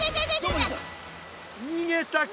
にげたか。